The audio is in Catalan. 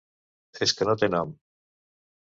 És que no té nom.